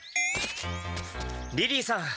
リリーさん！